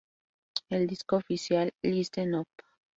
El disco oficial, "Listen Up!